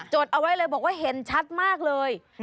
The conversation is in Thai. ดเอาไว้เลยบอกว่าเห็นชัดมากเลย